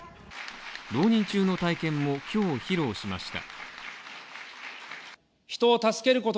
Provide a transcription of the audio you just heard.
浪人中の体験も今日披露しました。